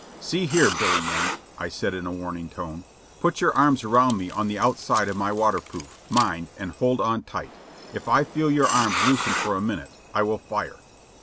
"See here, Billy Yank," I said in a warning tone, "put your arms around me on the outside of my waterproof, mind, and hold on tight; if I feel your arms loosen for a minute, I will fire."